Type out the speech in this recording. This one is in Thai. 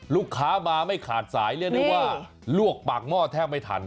ลูกค้ามาไม่ขาดสายเรียกได้ว่าลวกปากหม้อแทบไม่ทัน